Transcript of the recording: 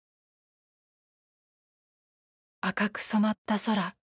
赤く染まった空。